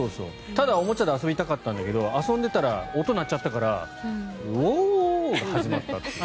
ただ、おもちゃで遊びたかったんだけど遊んでいたら音が鳴っちゃったからウオーが始まったという。